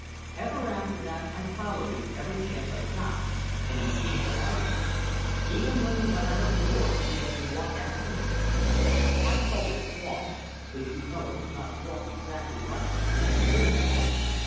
Ever after that I followed him every chance I got, and he seemed to like it. Even when we went out of doors he let me walk after him. I call it walk, but you know it was not a walk exactly like men and women walk.